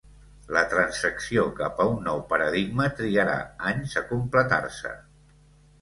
La transacció cap a un nou paradigma trigarà anys a completar-se.